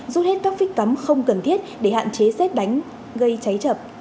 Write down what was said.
rút hết các phích cắm không cần thiết để hạn chế xét đánh gây cháy chập